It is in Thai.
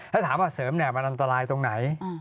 ถ้าถามว่าเสริมมันอันตรายตรงไหน